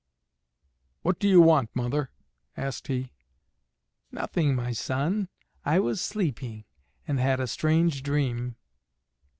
"What do you want, mother?" asked he. "Nothing, my son; I was sleeping, and had a strange dream."